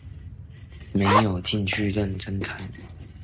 沒有進去認真看